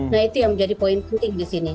nah itu yang menjadi poin penting disini